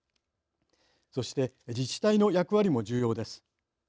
そして自治体の役割も重要です。